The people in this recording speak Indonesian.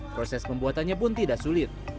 proses pembuatannya pun tidak sulit